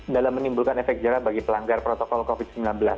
dalam menimbulkan efek jerah bagi pelanggar protokol covid sembilan belas